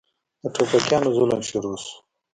د ټوپکيانو ظلم شروع سو.